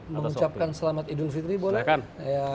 mengucapkan selamat idul fitri boleh